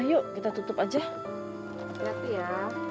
kok kak kamu belum pulang juga ya